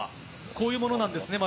こういうものなんですね。